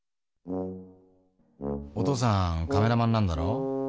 お父さんカメラマンなんだろ？